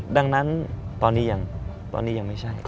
ดังนั้นตอนนี้ยังไม่ใช่